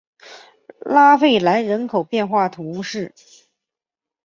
拉费兰人口变化图示